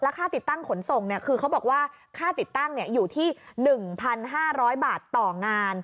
ค่าติดตั้งขนส่งคือเขาบอกว่าค่าติดตั้งอยู่ที่๑๕๐๐บาทต่องาน